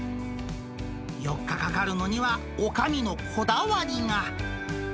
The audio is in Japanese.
４日かかるのには、おかみのこだわりが。